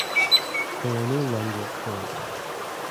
They are no longer current.